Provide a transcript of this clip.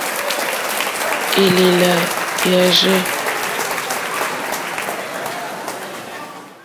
Élèlà yârzɛ̂.